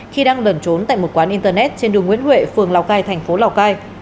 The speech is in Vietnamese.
khi đang lẩn trốn tại một quán internet trên đường nguyễn huệ phường lào cai thành phố lào cai